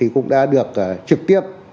cũng đã được trực tiếp